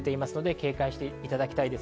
警戒していただきたいです。